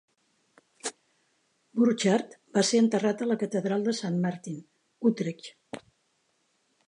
Burchard va ser enterrat a la catedral de Saint Martin, Utrecht.